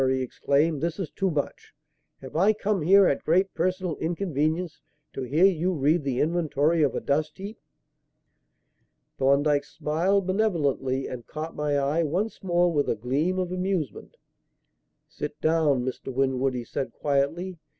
he exclaimed, "this is too much! Have I come here, at great personal inconvenience, to hear you read the inventory of a dust heap?" Thorndyke smiled benevolently and caught my eye, once more, with a gleam of amusement. "Sit down, Mr. Winwood," he said quietly.